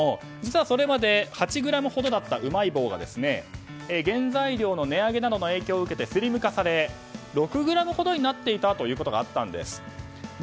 実はそれまで８ｇほどだったうまい棒が原材料の値上げなどの影響を受けてスリム化され６ｇほどになっていたことがあったんです。